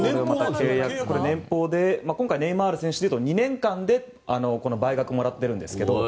今回ネイマール選手でいうと２年間でこの倍額もらっているんですけど。